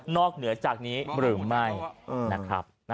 เหนือจากนี้หรือไม่นะครับ